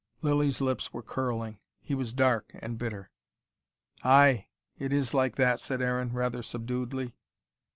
Lilly's lips were curling; he was dark and bitter. "Ay, it is like that," said Aaron, rather subduedly.